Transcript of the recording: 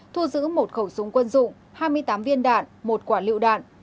thu giữ một khẩu súng quân dụng hai mươi tám viên đạn một quả lựu đạn